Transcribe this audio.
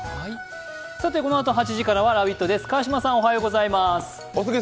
このあと８時からは「ラヴィット！」です。